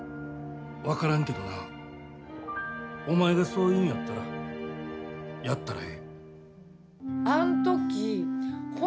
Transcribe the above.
分からんけどなお前がそう言うんやったらやったらええ。